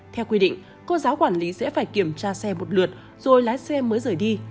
theo quy định cô giáo quản lý sẽ phải kiểm tra xe một lượt rồi lái xe mới rời đi